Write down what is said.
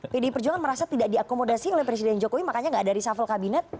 pdi perjuangan merasa tidak diakomodasi oleh presiden jokowi makanya gak ada reshuffle kabinet